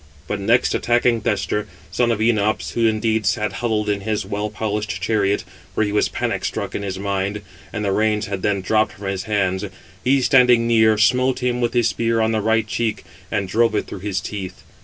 But next, attacking Thestor, son of Enops (who indeed sat huddled in his well polished chariot, for he was panic struck in his mind, and the reins had then dropped from his hands), he standing near, smote him with his spear on the right cheek, and drove it through his teeth.